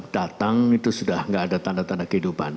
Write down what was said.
datang itu sudah tidak ada tanda tanda kehidupan